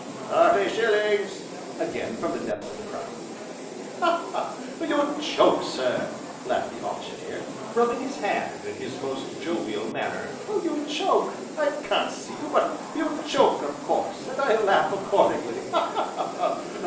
"Thirty shillings!" Again from the depths of the crowd. "Ha! ha! you joke sir!" laughed the Auctioneer, rubbing his hands in his most jovial manner, "you joke! I can't see you, but you joke of course, and I laugh accordingly, ha! ha!